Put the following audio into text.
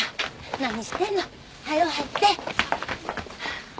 何してんの？はよ入って。